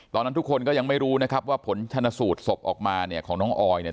ตอนนั้นทุกคนก็ยังไม่รู้นะครับว่าผลชนสูตรศพออกมาเนี่ยของน้องออยเนี่ย